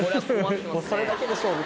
それだけで勝負。